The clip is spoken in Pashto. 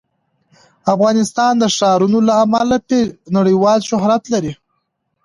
افغانستان د ښارونو له امله نړیوال شهرت لري.